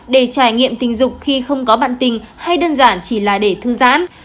để trải nghiệm tình dục khi không có bạn tình hay đơn giản chỉ là để thư giãn